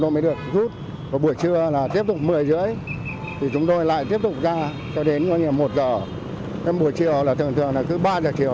tiếp tục một mươi h ba mươi thì chúng tôi lại tiếp tục ra cho đến một h bữa chiều là thường thường là cứ ba h chiều